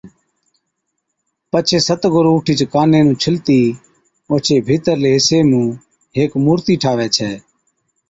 پڇي ست گُرُو اُٺِيچ ڪاني نُون ڇلتِي اوڇي ڀِيترلَي حصي مُون ھيڪ مُورتِي ٺاھوَي ڇَي